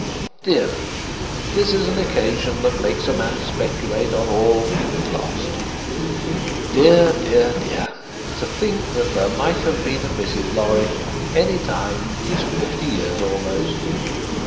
Dear me! This is an occasion that makes a man speculate on all he has lost. Dear, dear, dear! To think that there might have been a Mrs. Lorry, any time these fifty years almost!"